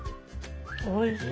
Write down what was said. おいしい。